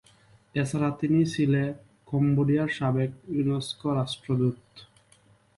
এছাড়া তিনি ছিলে কম্বোডিয়ার সাবেক ইউনেস্কো রাষ্ট্রদূত।